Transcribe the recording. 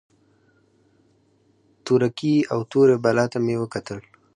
تورکي او تورې بلا ته مې وکتل.